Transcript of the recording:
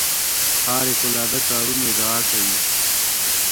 خارق العاده کارونو ادعا کوي.